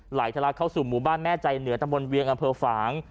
ทะลักเข้าสู่หมู่บ้านแม่ใจเหนือตำบลเวียงอำเภอฝาง